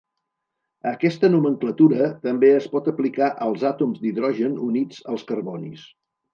Aquesta nomenclatura també es pot aplicar als àtoms d'hidrogen units als carbonis.